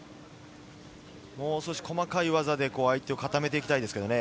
もう少し細かい技で相手を固めていきたいですけどね。